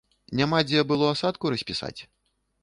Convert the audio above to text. Няма дзе было асадку распісаць?